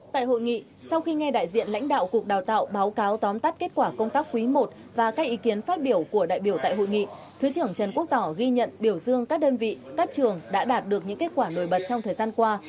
tại hội nghị sau khi nghe đại diện lãnh đạo cục đào tạo báo cáo tóm tắt kết quả công tác quý i và các ý kiến phát biểu của đại biểu tại hội nghị thứ trưởng trần quốc tỏ ghi nhận biểu dương các đơn vị các trường đã đạt được những kết quả nổi bật trong thời gian qua